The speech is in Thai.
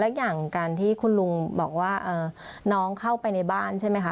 และอย่างการที่คุณลุงบอกว่าน้องเข้าไปในบ้านใช่ไหมคะ